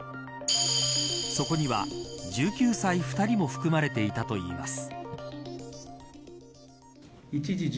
そこには１９歳２人も含まれていたといいます。